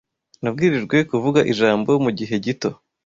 Nabwirijwe kuvuga ijambo mugihe gito.